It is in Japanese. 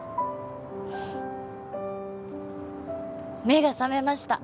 目が覚めました。